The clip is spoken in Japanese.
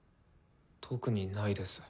特にないです。